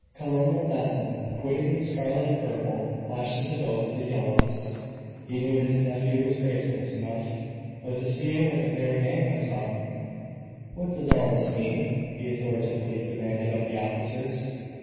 Colonel Bethel, quitting the scarlet and purple, flashed into those of the yellows. He knew his nephew was graceless enough; but to see him with a pair of handcuffs on! "What does all this mean?" he authoritatively demanded of the officers.